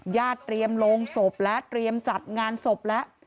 ญาติเตรียมลงศพและเตรียมจัดงานศพและ